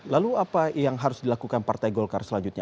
lalu apa yang harus dilakukan partai golkar selanjutnya